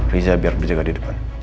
riza biar berjaga di depan